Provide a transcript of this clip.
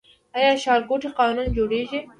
آیا ښارګوټي قانوني جوړیږي؟